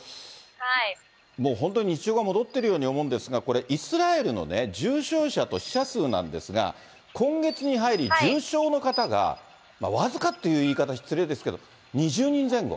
もう本当に日常が戻ってるように思うんですが、これ、イスラエルの重症者と死者数なんですが、今月に入り重症の方が僅かという言い方は失礼ですけれども、２０人前後。